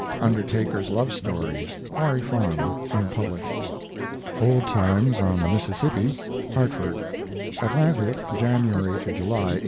UNDERTAKER'S LOVE STORY (Quarry Farm) (unpublished). OLD TIMES ON THE MISSISSIPPI (Hartford) Atlantic, January to July, 1875.